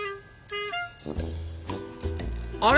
あれ？